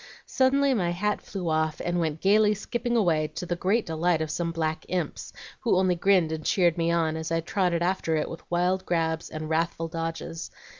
Suddenly my hat flew off and went gayly skipping away, to the great delight of some black imps, who only grinned and cheered me on as I trotted after it with wild grabs and wrathful dodges.